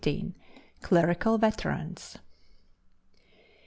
XIII. CLERICAL VETERANS.